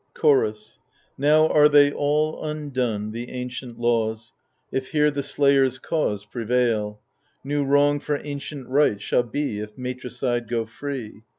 Chorus Now are they all undone, the ancient laws, If here the slayer's cause Prevail ; new wrong for ancient right shall be If matricide go free.